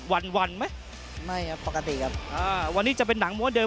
วันวันไหมไม่ครับปกติครับอ่าวันนี้จะเป็นหนังม้วนเดิ